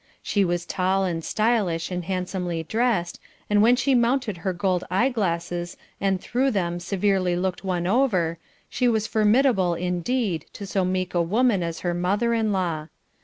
She was tall and stylish and handsomely dressed, and when she mounted her gold eyeglasses and through them severely looked one over, she was formidable indeed to so meek a woman as her mother in law.